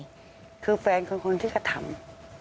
ก็คือแฟนคนที่จะทำ